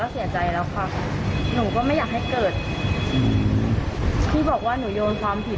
ถ้าเรื่องนี้เกิดหนูก็เสียใจแล้วค่ะหนูก็ไม่อยากให้เกิด